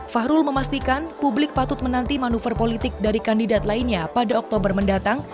fahrul memastikan publik patut menanti manuver politik dari kandidat lainnya pada oktober mendatang